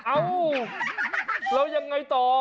เอ้าแล้วยังไงต่อ